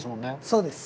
そうです。